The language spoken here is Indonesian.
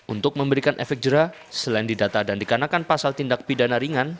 untuk memberikan efek jerah selain didata dan dikarenakan pasal tindak pidana ringan